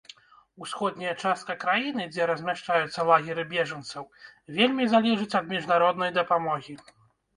Усходняя частка краіны, дзе размяшчаюцца лагеры бежанцаў, вельмі залежыць ад міжнароднай дапамогі.